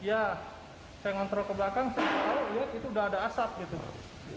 iya saya ngontrol ke belakang saya lihat itu udah ada asap gitu